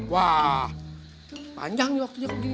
wah panjang waktunya kok gini